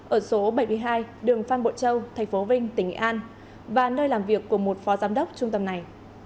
ở số bảy mươi hai đường phan bộ châu thành phố vinh tỉnh nghệ an và nơi làm việc của một phó giám đốc trung tâm này